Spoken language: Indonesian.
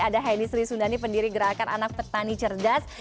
ada henny sri sundani pendiri gerakan anak petani cerdas